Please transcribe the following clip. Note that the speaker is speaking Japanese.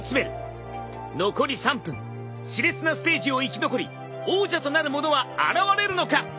残り３分熾烈なステージを生き残り王者となる者は現れるのか！？